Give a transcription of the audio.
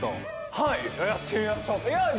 はい。